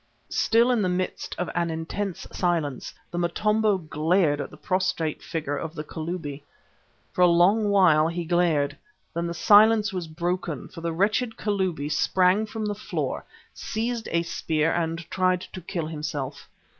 Still in the midst of an intense silence, the Motombo glared at the prostrate figure of the Kalubi. For a long while he glared. Then the silence was broken, for the wretched Kalubi sprang from the floor, seized a spear and tried to kill himself.